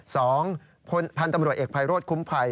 สองพันธุ์ตำรวจเอกภัยโรธคุ้มภัย